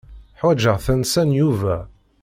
Ḥwaǧeɣ tansa n Yuba.